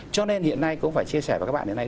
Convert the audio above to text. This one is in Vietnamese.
cho nên hiện nay cũng phải chia sẻ với các bạn